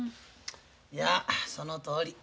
いやそのとおり。